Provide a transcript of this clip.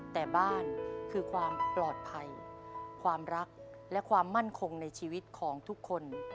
แต่บ้านคือความปลอดภัยความรักและความมั่นคงในชีวิตของทุกคน